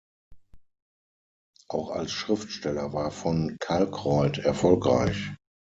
Auch als Schriftsteller war von Kalckreuth erfolgreich.